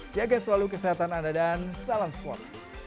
jaga selalu kesehatan anda dan salam sport